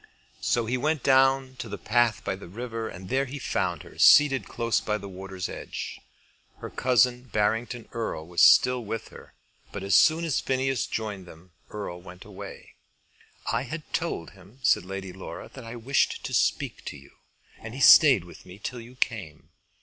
So he went down to the path by the river, and there he found her seated close by the water's edge. Her cousin Barrington Erle was still with her, but as soon as Phineas joined them, Erle went away. "I had told him," said Lady Laura, "that I wished to speak to you, and he stayed with me till you came.